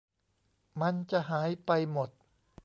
มันจะหายไปหมด